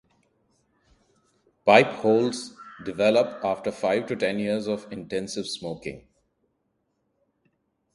Pipe holes develop after five to ten years of intensive smoking.